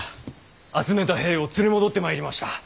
集めた兵を連れ戻ってまいりました。